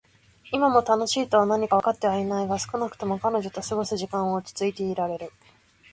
今も「楽しい」とは何かはわかってはいないが、少なくとも彼女と過ごす時間は落ち着いていられる。